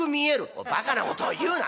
「おいバカなことを言うな！